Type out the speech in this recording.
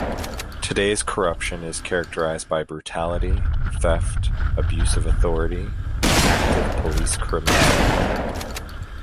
Today's corruption is characterized by brutality, theft, abuse of authority and active police criminality.